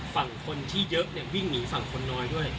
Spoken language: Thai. ฝั่งคนที่เยอะเนี่ยวิ่งหนีฝั่งคนน้อยด้วย